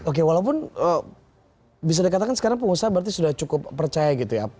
oke walaupun bisa dikatakan sekarang pengusaha berarti sudah cukup percaya gitu ya